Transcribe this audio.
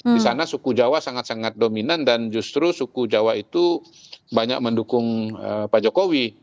di sana suku jawa sangat sangat dominan dan justru suku jawa itu banyak mendukung pak jokowi